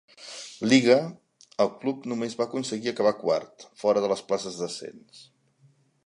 Liga, el club només va aconseguir acabar quart, fora de les places d'ascens.